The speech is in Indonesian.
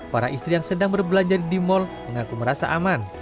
para istri yang sedang berbelanja di mal mengaku merasa aman